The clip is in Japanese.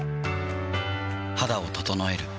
肌を整える。